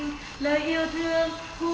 người tương lai đang rừng rớt